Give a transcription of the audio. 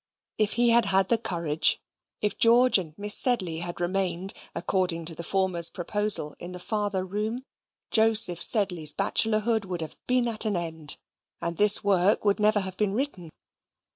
If he had had the courage; if George and Miss Sedley had remained, according to the former's proposal, in the farther room, Joseph Sedley's bachelorhood would have been at an end, and this work would never have been written.